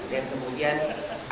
dan kemudian apa yang akan diperlukan